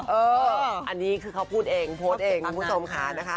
เอออันนี้คือเขาพูดเองโพสต์เองคุณผู้ชมค่ะนะคะ